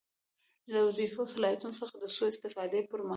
له وظیفوي صلاحیتونو څخه د سوء استفادې پر مهال.